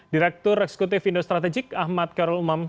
direktur eksekutif indo strategik ahmad karul umam